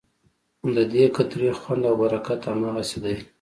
ددې قطرې خوند او برکت هماغسې دی.